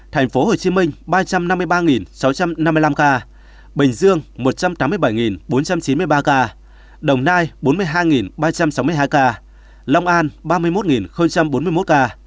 thành phố hồ chí minh ba trăm năm mươi ba sáu trăm năm mươi năm ca bình dương một trăm tám mươi bảy bốn trăm chín mươi ba ca đồng nai bốn mươi hai ba trăm sáu mươi hai ca long an ba mươi một bốn mươi một ca